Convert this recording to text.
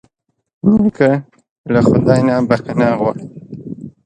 نیکه له خدای نه بښنه غواړي.